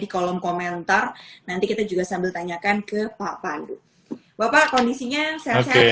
di kolom komentar nanti kita juga sambil tanyakan ke pak pandu bapak kondisinya sehat sehat